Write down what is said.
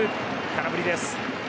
空振りです。